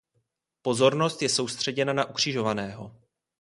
Pozornost je soustředěna na ukřižovaného.